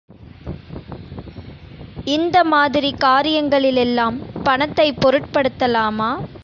இந்த மாதிரிக் காரியங்களிலெல்லாம் பணத்தைப் பொருட்படுத்தலாமா?